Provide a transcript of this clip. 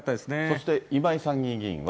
そして今井参議院議員は。